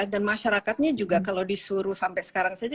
masyarakatnya juga kalau disuruh sampai sekarang saja